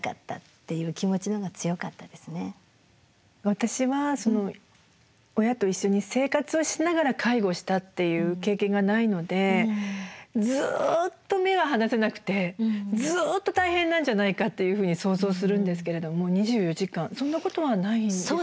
私は親と一緒に生活をしながら介護をしたっていう経験がないのでずっと目は離せなくてずっと大変なんじゃないかというふうに想像するんですけれども２４時間そんなことはないんですか？